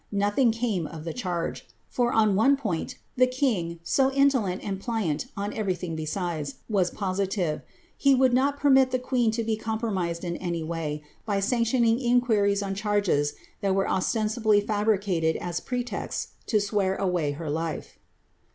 * Notliing came of tiie charge ; for, on one point, the kin^, so indolent and pHant on ever} thing besides, was posi tive ; lie would not permit the queen to be compromised in any way. by sanctioning inquiries on charges that were ostensibly fabricated as pretexts to swear away her life.